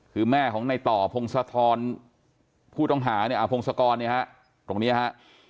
คือแม่ของในต่อพงศธรผู้ต้องหาเนี่ยอาพงศกรเนี่ยฮะตรงนี้ฮะ